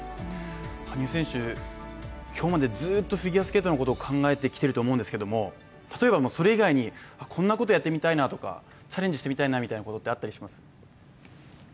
羽生選手、今日までずっとフィギュアスケートのことを考えてきていると思うんですけれども、例えばそれ以外に、こんなことやってみたいなとかチャレンジしてみたいなということがあったりします？